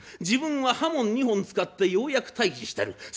自分は刃物２本使ってようやく退治してる。